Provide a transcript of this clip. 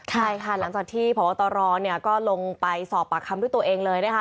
ใช่ค่ะหลังจากที่พบตรก็ลงไปสอบปากคำด้วยตัวเองเลยนะคะ